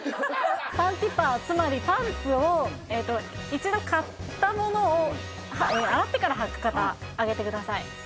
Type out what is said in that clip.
パンティパーつまりパンツを一度買ったものを洗ってからはく方あげてください